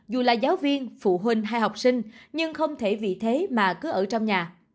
dù là giáo viên phụ huynh hay học sinh nhưng không thể vì thế mà cứ ở trong nhà